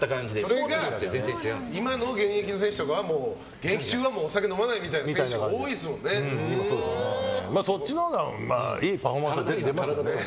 それが今の現役選手とかは現役中はお酒を飲まないそっちのほうがいいパフォーマンスは出ますよね。